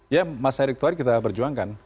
ya mas erick thohir kita perjuangkan